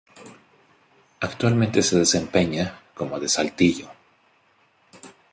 Actualmente se desempeña como de Saltillo.